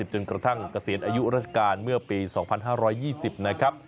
จนกระทั่งเกษียณอายุราชการเมื่อปี๒๕๒๐นะครับ